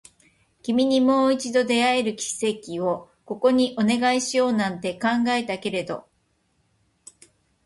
君にもう一度出会える奇跡をここにお願いしようなんて考えたけれど